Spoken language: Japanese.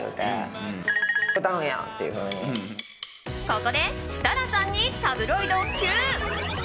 ここで設楽さんにタブロイドＱ。